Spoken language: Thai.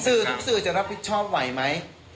ทุกสื่อจะรับผิดชอบไหวไหม